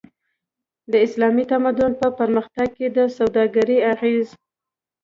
د اسلامي تمدن په پرمختګ کی د سوداګری اغیز